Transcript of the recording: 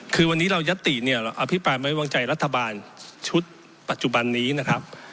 คือวันนี้เรายัตติเนี่ยเราอภิปรายไว้วางใจรัฐบาลชุดปัจจุบันนี้นะครับ